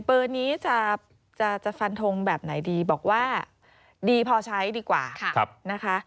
เบอร์นี้จะฟันทงแบบไหนดีบอกว่าดีพอใช้ดีกว่านะคะ